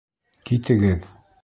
Китегеҙ!